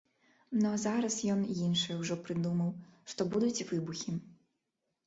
Ну а зараз ён іншае ўжо прыдумаў, што будуць выбухі.